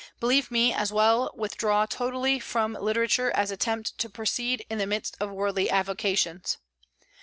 Believe me, as well withdraw totally from literature as attempt to proceed in the midst of worldly avocations.